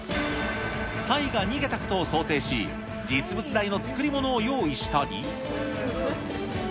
サイが逃げたことを想定し、実物大の作り物を用意したり。